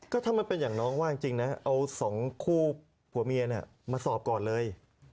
ก็ถ้ามันเป็นอย่างน้องว่าจริงนะเอาสองคู่ผัวเมียมาสอบก่อนเลย